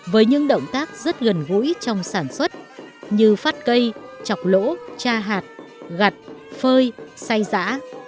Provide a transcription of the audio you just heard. với những động tác rất gần gũi trong sản xuất như phát cây chọc lỗ cha hạt gặt phơi say rã